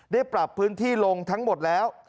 ได้ปรับพื้นที่ลงทั้งหมดแล้ว